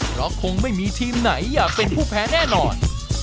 เพราะคงไม่มีทีมไหนอยากเป็นผู้แพ้แน่นอน